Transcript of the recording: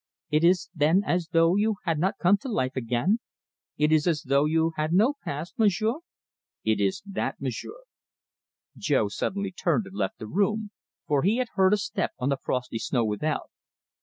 "It is, then, as though you had not come to life again? It is as though you had no past, Monsieur?" "It is that, Monsieur." Jo suddenly turned and left the room, for he heard a step on the frosty snow without.